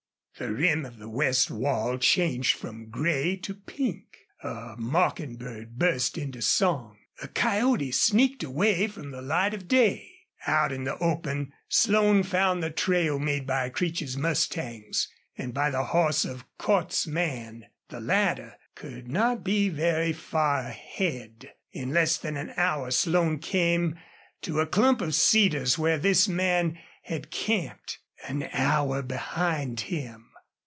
The rim of the west wall changed from gray to pink. A mocking bird burst into song. A coyote sneaked away from the light of day. Out in the open Slone found the trail made by Creech's mustangs and by the horse of Cordts's man. The latter could not be very far ahead. In less than an hour Slone came to a clump of cedars where this man had camped. An hour behind him!